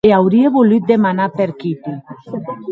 E aurie volut demanar per Kitty.